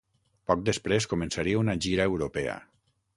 Poc després, començaria una gira europea.